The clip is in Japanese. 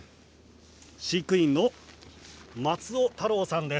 飼育員の松尾太郎さんです。